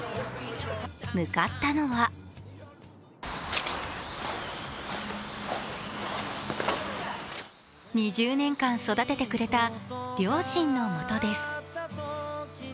向かったのは２０年間育ててくれた両親のもとです。